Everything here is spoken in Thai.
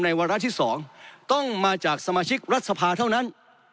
วาระที่๒ต้องมาจากสมาชิกรัฐสภาเท่านั้น